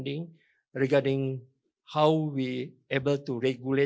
mengenai bagaimana kita bisa mengguna